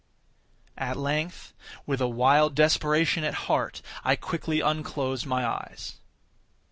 At length, with a wild desperation at heart, I quickly unclosed my eyes.